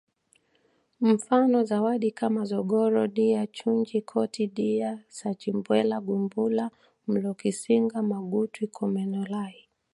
Mfano zawadi kama zogoro dya chunji koti dya sachibwela ngubula mlomokisingisa magutwi kumwonelahi